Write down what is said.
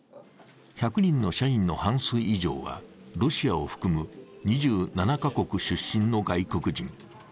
１００人の社員の半数以上はロシアを含む２７カ国の外国人。